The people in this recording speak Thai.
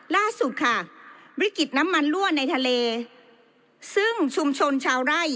ล่าสุดค่ะวิกฤตน้ำมันรั่วในทะเลซึ่งชุมชนชาวไร่